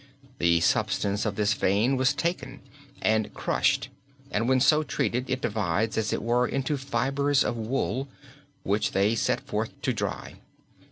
The substance of this vein was taken and crushed, and when so treated it divides, as it were, into fibres of wool, which they set forth to dry.